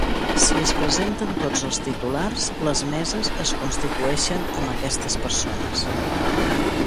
Si es presenten tots els titulars, les meses es constitueixen amb aquestes persones.